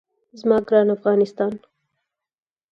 زما ګران افغانستان.